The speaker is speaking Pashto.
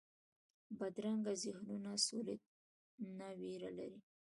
بدرنګه ذهنونونه سولې نه ویره لري